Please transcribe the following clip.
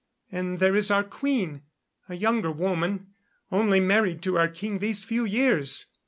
And there is our queen a younger woman, only married to our king these few years.